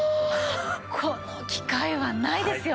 この機会はないですよ！